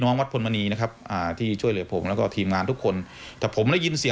ผมก็ยังไม่ได้ขอบคุณใครเลย